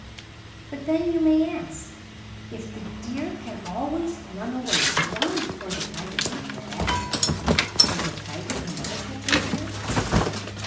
But then, you may ask, if the deer can always run away long before the tiger can get at him, does a tiger never catch a deer?